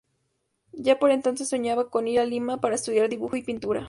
Ya por entonces soñaba con ir a Lima para estudiar dibujo y pintura.